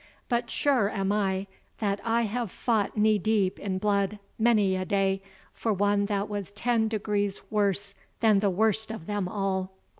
But sure am I, that I have fought knee deep in blood many a day for one that was ten degrees worse than the worst of them all."